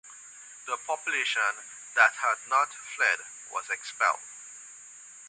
The population that had not fled was expelled.